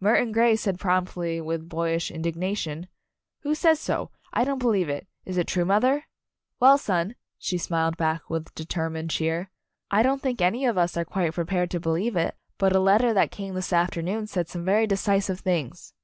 Murton Grey said promptly with boy ish indignation, "Who says so? I don't believe it. Is it true, mother?" 'Well, son," she smiled back with de termined cheer, "I don't think any of us are quite prepared to believe it, but a An Announcement Party 15 letter that came this afternoon said some very decisive things."